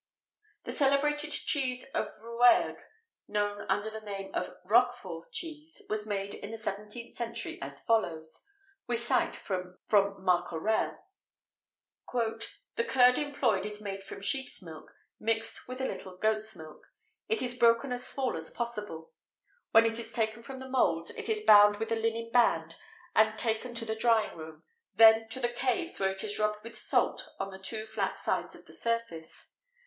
[XVIII 62] The celebrated cheese of Rouergue, known under the name of "Roquefort cheese," was made, in the 17th century as follows we cite from Marcorelle: "The curd employed is made from sheep's milk, mixed with a little goat's milk. It is broken as small as possible. When it is taken from the moulds, it is bound with a linen band and taken to the drying room; then to the caves, where it is rubbed with salt on the two flat sides of the surface.